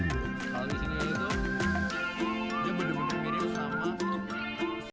hal disini itu dia bener bener mirip sama untuk